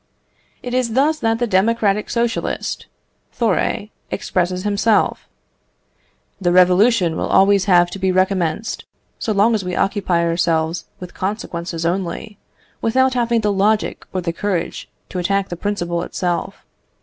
It is thus that the democratic Socialist, Thoré expresses himself: "The revolution will always have to be recommenced, so long as we occupy ourselves with consequences only, without having the logic or the courage to attack the principle itself.